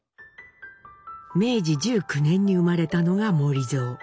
明治１９年に生まれたのが守造。